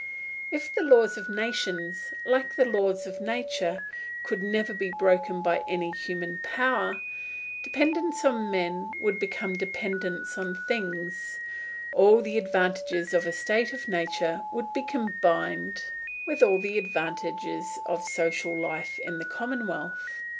If the laws of nations, like the laws of nature, could never be broken by any human power, dependence on men would become dependence on things; all the advantages of a state of nature would be combined with all the advantages of social life in the commonwealth.